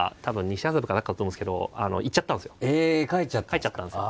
帰っちゃったんですか？